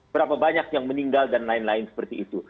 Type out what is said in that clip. berapa banyak yang meninggal dan lain lain seperti itu